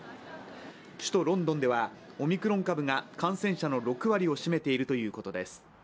首都ロンドンではオミクロン株が感染者の６割を占めているということです。